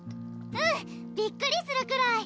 うんびっくりするくらい！